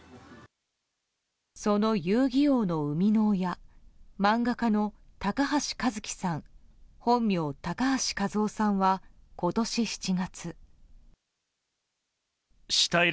その「遊☆戯☆王」の生みの親漫画家の高橋和希さん本名・高橋一雅さんは今年７月。